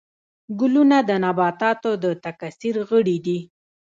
ګلونه د نباتاتو د تکثیر غړي دي